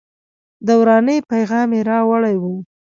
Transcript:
د ورانۍ پیغام یې راوړی و.